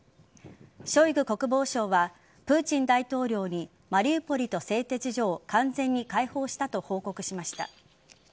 ショイグ国防相はプーチン大統領にマリウポリと製鉄所を完全に解放したと報告しました。